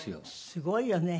すごいよね。